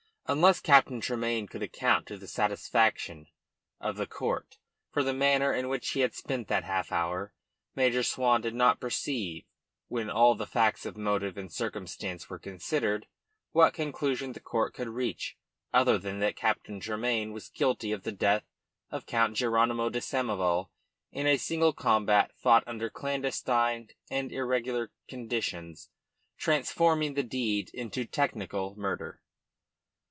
Unless Captain Tremayne could account to the satisfaction of the court for the manner in which he had spent that half hour, Major Swan did not perceive, when all the facts of motive and circumstance were considered, what conclusion the court could reach other than that Captain Tremayne was guilty of the death of Count Jeronymo de Samoval in a single combat fought under clandestine and irregular conditions, transforming the deed into technical murder.